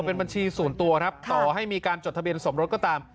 เป็นบัญชีส่วนตัวครับต่อให้มีการจดทะเบียนสมรสก็ตาม